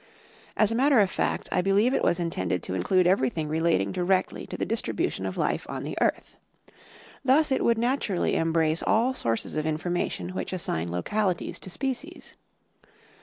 As a matter of fact, I believe it was intended to include everything relating directly to the dis tribution of life on the earth. Thus it would naturally embrace all sources of information which assign localities to species.